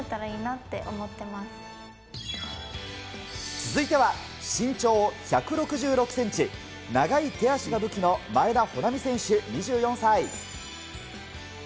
続いては身長１６６ｃｍ、長い毛足が武器の前田穂南選手、２４歳。